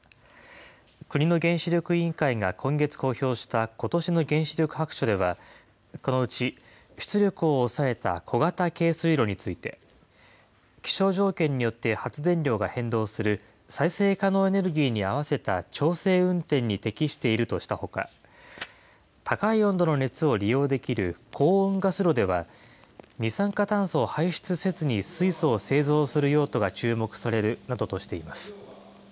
国の原子力委員会が今月公表したことしの原子力白書では、このうち出力を抑えた小型軽水炉について、気象条件によって発電量が変動する再生可能エネルギーに合わせた調整運転に適しているとしたほか、高い温度の熱を利用できる高温ガス炉では、二酸化炭素を排出せずに水素を製造する用途が注目されるなどとしています。